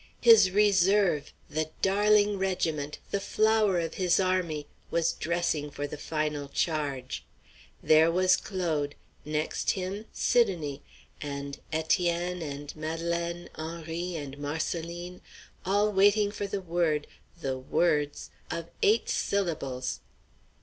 His reserve, the darling regiment, the flower of his army, was dressing for the final charge. There was Claude. Next him, Sidonie! and Étienne, and Madelaine, Henri and Marcelline, all waiting for the word the words of eight syllables!